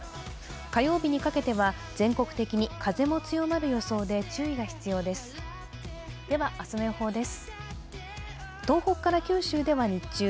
火曜日にかけては全国的に風も強まる予想で注意が必要です。